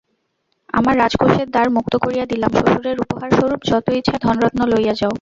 আমার রাজকোষের দ্বার মুক্ত করিয়া দিলাম, শ্বশুরের উপহারস্বরূপ যত ইচ্ছা ধনরত্ন লইয়া যাও।